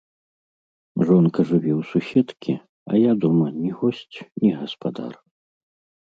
Жонка жыве ў суседкі, а я дома ні госць, ні гаспадар.